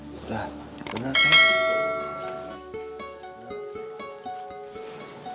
udah udah kan